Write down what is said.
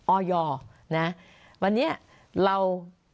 ออยนะวันนี้เรา